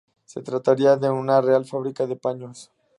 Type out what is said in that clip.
Se trataría de una Real Fábrica de Paños.